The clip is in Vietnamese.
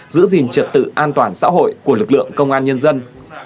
giữ gìn trật tự an toàn xã hội của lực lượng công an nhân dân